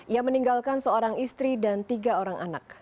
ia meninggalkan seorang istri dan tiga orang anak